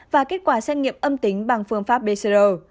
và kết quả xét nghiệm âm tính bằng phương pháp bcr